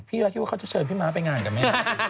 คิดว่าเขาจะเชิญพี่ม้าไปงานกับแม่